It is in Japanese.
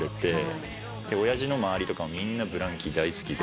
親父の周りとかもみんなＢＬＡＮＫＥＹ大好きで。